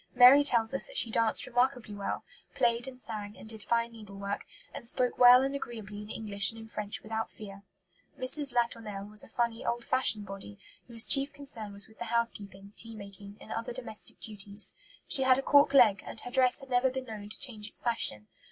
Mary tells us that she danced remarkably well, played and sang and did fine needlework, and "spoke well and agreeably in English and in French without fear." Mrs. Latournelle was a funny, old fashioned body, whose chief concern was with the housekeeping, tea making, and other domestic duties. She had a cork leg, and her dress had never been known to change its fashion.